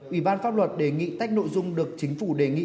ủy ban pháp luật đề nghị tách nội dung được chính phủ đề nghị